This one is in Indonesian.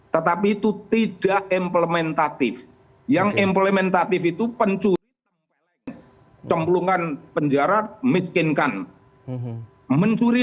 tetapi itu tidak implementatif yang implementatif itu pencuri tempele cemplungan penjara miskinkan mencuri